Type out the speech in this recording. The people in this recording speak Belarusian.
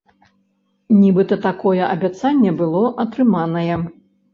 Нібыта, такое абяцанне было атрыманае.